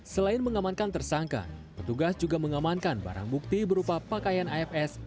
selain mengamankan tersangka petugas juga mengamankan barang bukti berupa pakaian afs